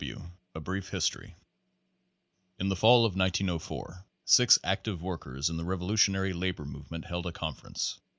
W. W A Brief History In the fall of 1904 six active workers in the revolu tionary labor movement held a conference.